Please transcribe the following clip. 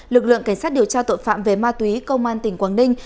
lực lượng cảnh sát điều tra tội phạm về ma túy công an tỉnh quảng ninh